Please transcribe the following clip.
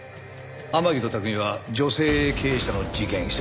天樹と拓海は女性経営者の事件調べてくれ。